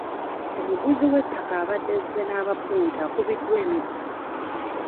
Omuguzi w'ettaka abadde azze n'abapunta akubiddwa emiggo.